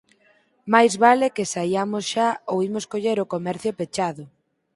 Máis vale que saiamos xa ou imos coller o comercio pechado